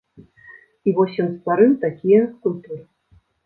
І вось ён стварыў такія культуры.